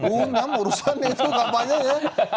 udah ngurusan itu gapanya ya